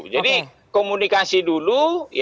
jadi komunikasi dulu